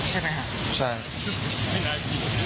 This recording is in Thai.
ใช่ไหมฮะใช่มีแปด